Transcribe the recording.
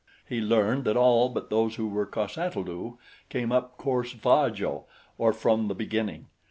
He learned that all but those who were cos ata lu came up cor sva jo, or from the beginning.